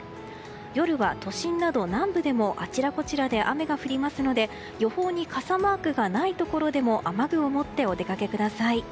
夜は都心など南部でもあちらこちらで雨が降りますので予報に傘マークがないところでも雨具を持ってお出かけください。